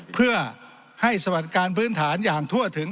เพื่อให้สวัสดิการพื้นฐานอย่างทั่วถึง